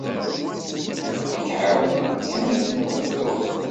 Ad k-ɛawnen kan akken ad tebdud.